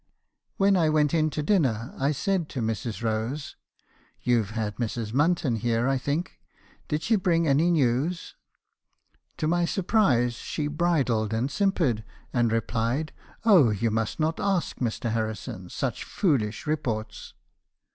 "When I went in to dinner, I said to Mrs. Rose —" 'You've had Mrs. Munton here, I think. Did she bring any news?' To my surprise, she bridled and simpered, and replied, 'Oh, you must not ask, Mr. Harrison: such foolish reports.'